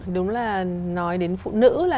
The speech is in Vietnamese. đúng là nói đến phụ nữ là